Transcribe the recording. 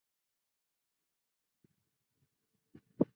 现为亚太安全合作理事会中国委员会副会长。